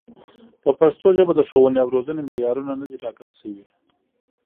په پښتو ژبه د ښوونې او روزنې معیارونه نه دي ټاکل شوي.